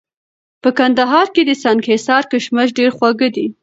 په کندهار کي د سنګحصار کشمش ډېر خواږه دي